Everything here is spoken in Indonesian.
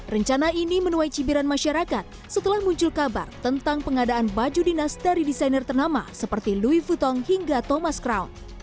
rencana ini menuai cibiran masyarakat setelah muncul kabar tentang pengadaan baju dinas dari desainer ternama seperti louis futong hingga thomas crown